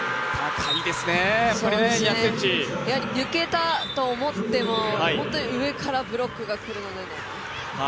やはり抜けたと思っても上からブロックが来るので。